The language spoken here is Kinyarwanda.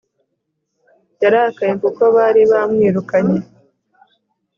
Yarakaye kuko bari bamwirukanye